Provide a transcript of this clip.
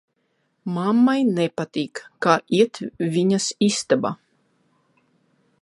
Mammai nepatīk, ka iet viņas istabā.